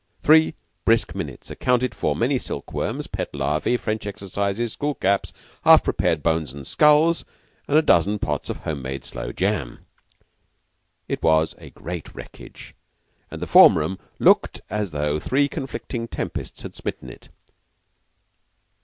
Three brisk minutes accounted for many silkworms, pet larvae, French exercises, school caps, half prepared bones and skulls, and a dozen pots of home made sloe jam. It was a great wreckage, and the form room looked as though three conflicting tempests had smitten it.